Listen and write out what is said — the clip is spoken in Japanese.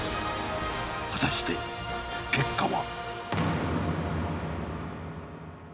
果たして結果は。